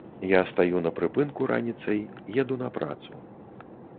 Я стаю на прыпынку раніцай, еду на працу.